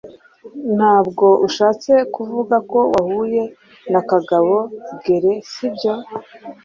Ntabwo ushatse kuvuga ko wahuye na Kagabo Gere, sibyo?